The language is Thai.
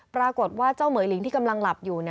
ปรากฏว่าเจ้าเหมือยลิงที่กำลังหลับอยู่